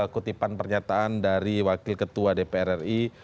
kutipan pernyataan dari wakil ketua dpr ri